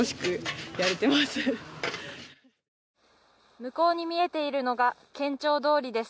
向こうに見えているのが県庁通りです。